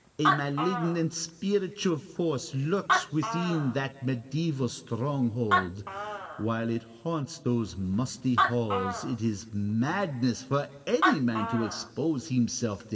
A malignant spiritual force lurks within that mediæval stronghold. While it haunts those musty halls it is madness for any man to expose himself there."